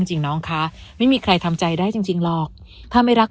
จริงน้องคะไม่มีใครทำใจได้จริงหรอกถ้าไม่รัก